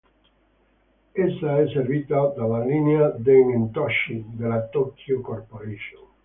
Essa è servita dalla linea Den-en-toshi della Tōkyū Corporation.